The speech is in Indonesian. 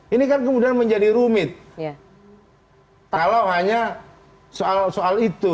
ini kan kemudian menjadi rumit kalau hanya soal soal itu